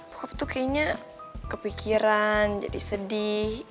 aku tuh kayaknya kepikiran jadi sedih